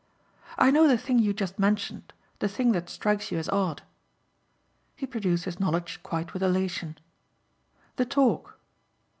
"I know the thing you just mentioned the thing that strikes you as odd." He produced his knowledge quite with elation. "The talk."